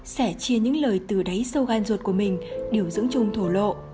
sẽ chia những lời từ đáy sâu gan ruột của mình điều dưỡng chung thổ lộ